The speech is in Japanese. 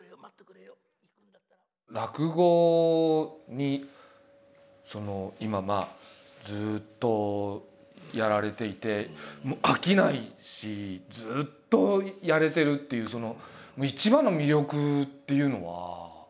落語に今ずっとやられていて飽きないしずっとやれてるっていううん。